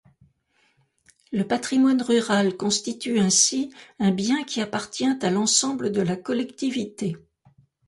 Le patrimoine rural constitue ainsi un bien qui appartient à l’ensemble de la collectivité.